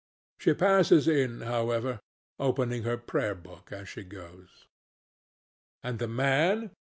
She passes in, however, opening her prayer book as she goes. And the man?